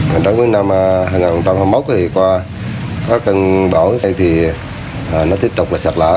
đó là nguyên năm hai nghìn một qua các cơn bão này thì nó tiếp tục là sạt lở